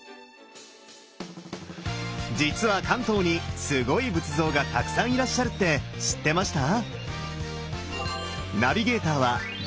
実は関東にすごい仏像がたくさんいらっしゃるって知ってました？